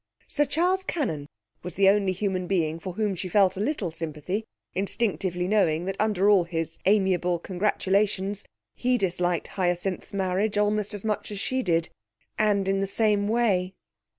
Sir Charles Cannon was the only human being for whom she felt a little sympathy, instinctively knowing that under all his amiable congratulations he disliked Hyacinth's marriage almost as much as she did, and in the same way.